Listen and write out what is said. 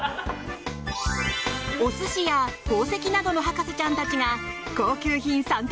お寿司や宝石などの博士ちゃんたちが高級品３択